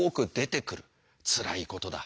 つらいことだ。